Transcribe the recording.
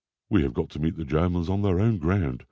We have got to meet the Germans on their own ground.